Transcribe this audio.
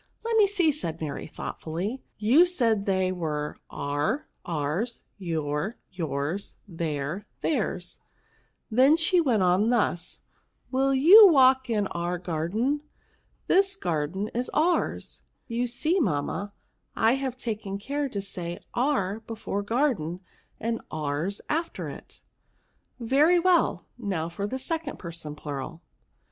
Let me see," said Mary, thoughtfully ;" you said they were, owr, ours^ your^ yours ^ their^ theirsJ* Then she went on thus :—" Will you walk in our garden ? This gar den is oursn You see, mamma, I have taken care to say our before the garden, and ours after it." " Very well ; now for the second person plural."